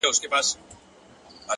هوښیار فکر بېځایه اندېښنې کموي,